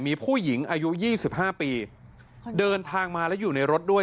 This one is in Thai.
มีผู้หญิงอายุ๒๕ปีเดินทางมาแล้วอยู่ในรถด้วย